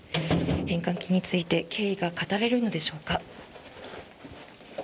返還金について経緯が語られるのでしょうか。